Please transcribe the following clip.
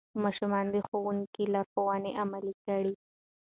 ماشوم د ښوونکي لارښوونې عملي کړې